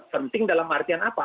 penting dalam artian apa